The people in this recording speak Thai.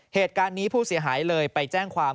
เหตุการณ์นี้ผู้เสียหายเลยไปแจ้งความ